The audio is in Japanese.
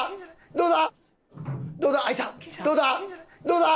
どうだ？